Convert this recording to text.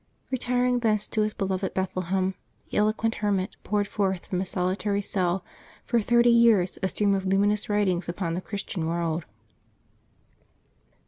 Re tiring thence to his beloved Bethlehem, the eloquent her mit poured forth from his solitary cell for thirty years a stream of luminous writings upon the Christian world.